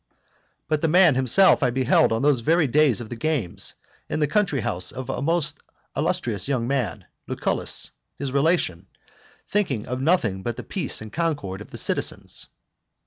But the man himself I beheld on those very days of the games, in the country house of a most illustrious young man, Lucullus, his relation, thinking of nothing but the peace and concord of the citizens.